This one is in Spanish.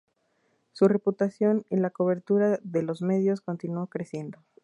Su reputación y la cobertura de los medios continuó creciendo.